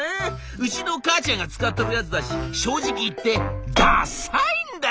うちの母ちゃんが使ってるやつだし正直言ってダサいんだよな」。